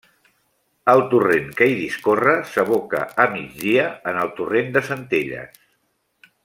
El torrent que hi discorre s'aboca, a migdia, en el torrent de Centelles.